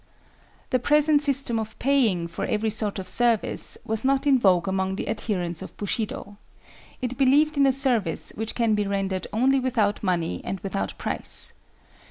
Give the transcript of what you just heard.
The present system of paying for every sort of service was not in vogue among the adherents of Bushido. It believed in a service which can be rendered only without money and without price.